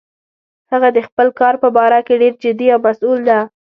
هغه د خپل کار په باره کې ډیر جدي او مسؤل ده